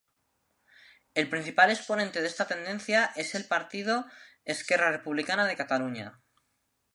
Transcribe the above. El principal exponente de esta tendencia es el partido "Esquerra Republicana de Catalunya".